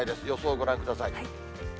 予想をご覧ください。